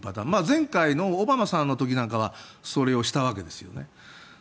前回のオバマさんの時とかはそれをしたわけですよね。